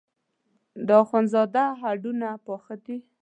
د اخوندزاده هډونه پاخه دي.